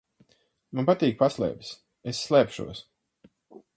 Man patīk paslēpes. Es slēpšos.